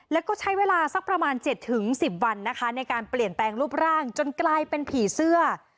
แล้วก็ใช้เวลาสักประมาณ๗๑๐วันนะคะในการเปลี่ยนแปลงรูปร่างจนกลายเป็นผีเสื้อ